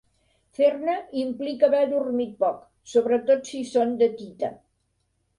Fer-ne implica haver dormit poc, sobretot si són de tita.